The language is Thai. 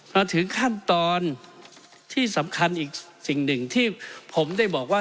มาถึงขั้นตอนที่สำคัญอีกสิ่งหนึ่งที่ผมได้บอกว่า